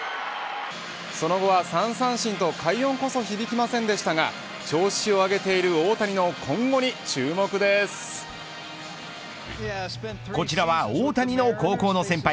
その後は３三振と快音こそ響きませんでしたが調子を上げている大谷のこちらは大谷の高校の先輩